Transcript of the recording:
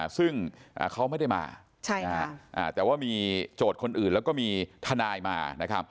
ซึ่งเขาไม่ได้มาแต่ว่ามีโจทย์คนอื่นแล้วก็มีทนายมา